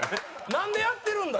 「なんでやってるんだ？」。